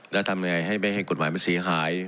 แล้วทำยังไงให้ไม่ให้กฎหมายมันเสียหาย